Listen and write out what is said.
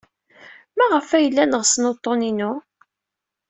Maɣef ay llan ɣsen uḍḍun-inu?